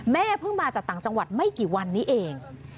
เพิ่งมาจากต่างจังหวัดไม่กี่วันนี้เอง